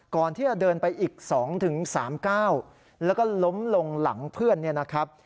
ก่อนที่จะเดินไปอีก๒๓๙แล้วก็ล้มลงหลังเพื่อนเนี่ยนะครับ